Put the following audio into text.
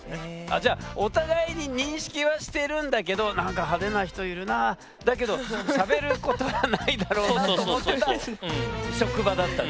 あじゃあお互いに認識はしてるんだけど「なんか派手な人いるなあだけどしゃべることはないだろうな」と思ってた職場だった。